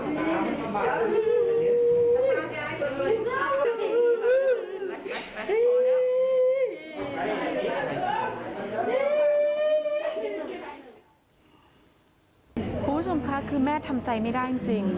คุณผู้ชมค่ะคือแม่ทำใจไม่ได้จริง